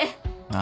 あ